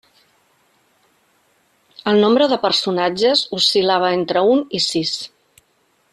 El nombre de personatges oscil·lava entre un i sis.